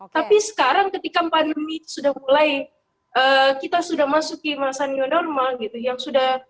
tapi sekarang ketika pandemi sudah mulai kita sudah masuk ke masa new normal gitu yang sudah